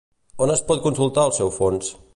On es pot consultar el seu fons?